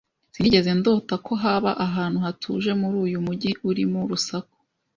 Sinigeze ndota ko haba ahantu hatuje muri uyu mujyi urimo urusaku.